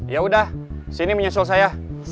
yaudah sini menyusul saya